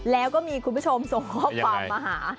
แล้วก็มีคุณผู้ชมส่งข้อความมาหา